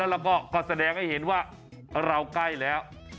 แล้วก็แสดงให้เห็นว่าเราใกล้แล้ว